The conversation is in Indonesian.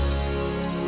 mulai wichtig perbuatan